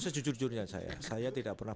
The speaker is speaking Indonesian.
sejujurnya saya saya tidak pernah